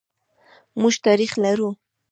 موږ تاریخ لرو.